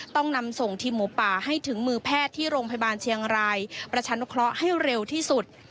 ต้องนำส่งทีมหมูป่าให้ถึงมือแพทย์ที่โรงพยาบาลเชียงรายประชานุเคราะห์ให้เร็วที่สุด